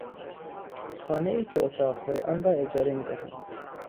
خانهای که اتاقهای آن را اجاره میدهند